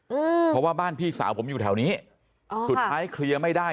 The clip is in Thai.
อืมเพราะว่าบ้านพี่สาวผมอยู่แถวนี้อ๋อสุดท้ายเคลียร์ไม่ได้